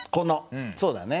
そうだね。